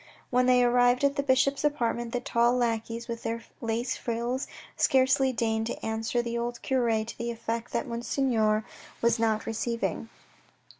When they arrived at the bishop's apartment, the tall lackeys with their lace frills scarcely deigned to answer the old cure to the effect that Monseigneur was not receiving.